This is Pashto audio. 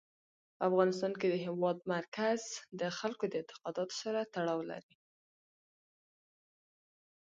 په افغانستان کې د هېواد مرکز د خلکو د اعتقاداتو سره تړاو لري.